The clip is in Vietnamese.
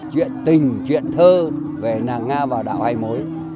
chuyện tình chuyện thơ về nàng nga vào đạo hai mối